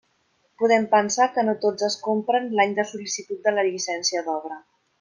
Podem pensar que no tots es compren l'any de sol·licitud de la llicència d'obra.